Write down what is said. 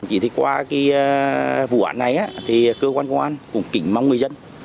chỉ qua cái vụ án này thì cơ quan công an cũng kính mong người dân